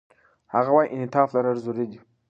هغه وايي، انعطاف لرل ضروري دي.